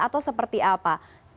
atau seperti apa